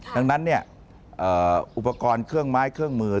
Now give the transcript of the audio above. ดังนั้นอุปกรณ์เครื่องไม้เครื่องมือ